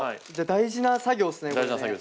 大事な作業です。